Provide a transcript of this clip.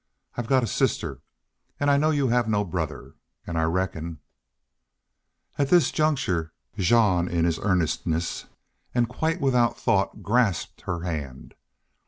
I've got a sister, an' I know you have no brother. An' I reckon ..." At this juncture Jean in his earnestness and quite without thought grasped her hand.